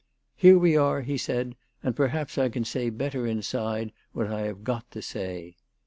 " Here we are," he said, " and perhaps I can say better inside what I have got to say."